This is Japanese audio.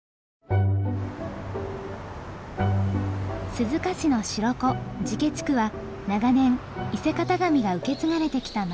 鈴鹿市の白子・寺家地区は長年伊勢型紙が受け継がれてきた町です。